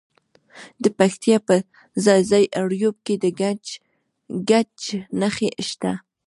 د پکتیا په ځاځي اریوب کې د ګچ نښې شته.